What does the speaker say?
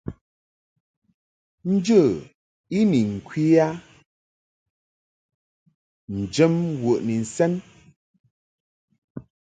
Njə i ni ŋkwe a njam wəʼni nsɛn.